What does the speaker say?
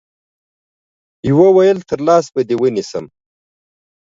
يوه ويل تر لاس به دي ونيسم